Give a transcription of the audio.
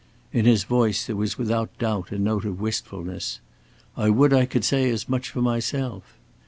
In his voice there was without doubt a note of wistfulness. "I would I could say as much for myself."